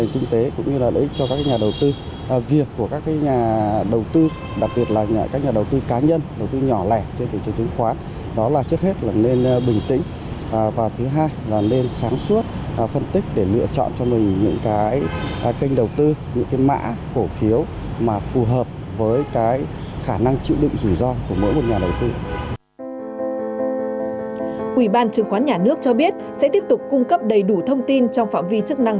quỷ ban chứng khoán nhà nước cho biết sẽ tiếp tục cung cấp đầy đủ thông tin trong phạm vi chức năng